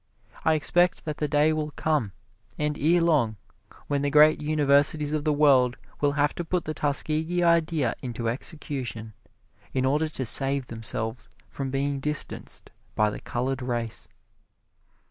I expect that the day will come, and erelong, when the great universities of the world will have to put the Tuskegee Idea into execution in order to save themselves from being distanced by the Colored Race.